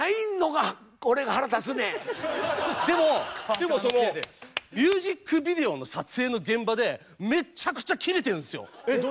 でもミュージックビデオの撮影の現場でめっちゃくちゃキレてるんですよ。